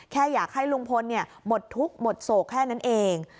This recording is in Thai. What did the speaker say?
แค่อยากให้ลุงพลหมดทุกข์หมดโศกแค่นั้นเอง